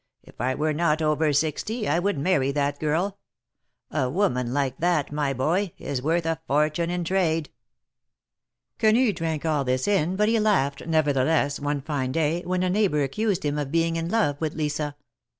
if I were not over sixty, I would marry that girl ! A woman like that, my boy, is worth a fortune in trade !" Quenu drank all this in, but he laughed, nevertheless, one fine day, when a neighbor accused him of being in love with Lisa.